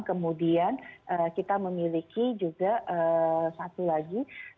kemudian kita memiliki juga satu lagi